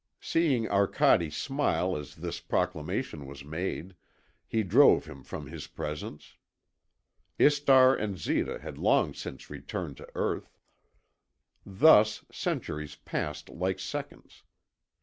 Seeing Arcade smile as this proclamation was made, he drove him from his presence. Istar and Zita had long since returned to earth. Thus centuries passed like seconds.